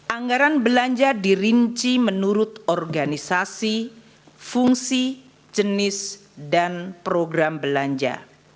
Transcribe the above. anggaran belanja dirinci menurut organisasi fungsi jenis dan program belanja